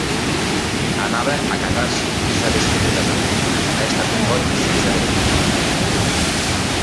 Anava a casar-s'hi i s'ha desfet el casament: ha estat un goig sense alegria.